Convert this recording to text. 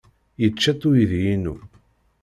Yečča-tt uydi-inu.